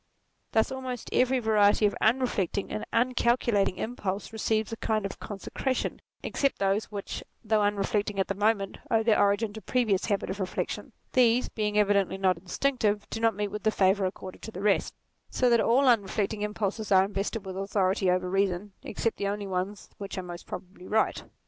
Thus almost every variety of unreflecting and uncalculating impulse receives a kind of consecration, except those which, NATURE 45 though unreflecting at the moment, owe their origin to previous habits of reflection : these, being evidently not instinctive, do not meet with the favour accorded to the rest; so that all unreflecting impulses are invested with authority over reason, except the only ones which are most probably right.